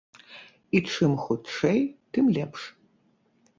І чым хутчэй, тым лепш.